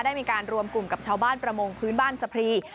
ได้มีการรวมกลุ่มกับชาวบ้านประมงพื้นบ้านสะพรี